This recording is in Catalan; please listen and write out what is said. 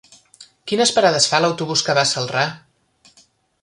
Quines parades fa l'autobús que va a Celrà?